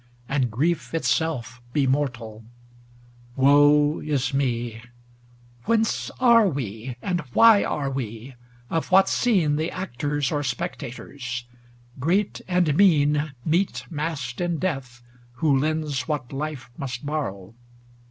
And grief itself be mortal ! Woe is me ! Whence are we, and why are we ? of what scene The actors or spectators ? Great and mean Meet massed in death, who lends what life must borrow.